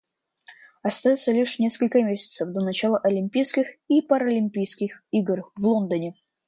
Остается лишь несколько месяцев до начала Олимпийских и Паралимпийских игр в Лондоне.